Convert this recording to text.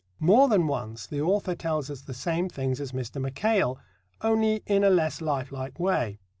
More than once the author tells us the same things as Mr. Mackail, only in a less life like way.